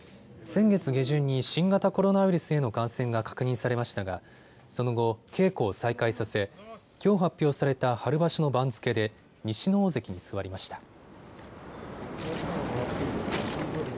先月下旬に新型コロナウイルスへの感染が確認されましたがその後、稽古を再開させきょう発表された春場所の番付で西の大関に座りました。